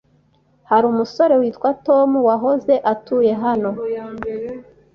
Hari umusore witwa Tom wahoze atuye hano.